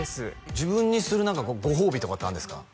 自分にする何かご褒美とかってあるんですか？